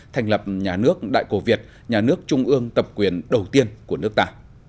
thành lập nhà nước đại cổ việt nhà nước trung ương tập quyền đầu tiên của nước ta